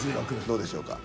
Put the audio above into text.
どうでしょうか？